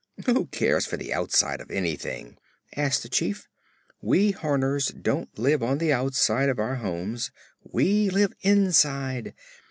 Who cares for the outside of anything?" asked the Chief. "We Horners don't live on the outside of our homes; we live inside.